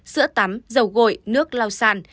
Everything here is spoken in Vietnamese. sữa tắm dầu gội nước lau sàn